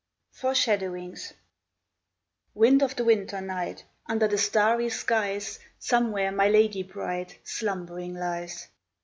FORESHADOWINGS Wind of the winter night, Under the starry skies Somewhere my lady bright, Slumbering lies.